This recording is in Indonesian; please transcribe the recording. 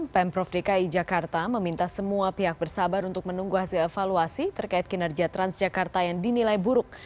pemprov dki jakarta meminta semua pihak bersabar untuk menunggu hasil evaluasi terkait kinerja transjakarta yang dinilai buruk